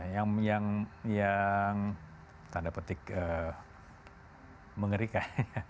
yang tanda petik mengerikan